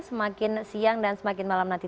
semakin siang dan semakin malam nanti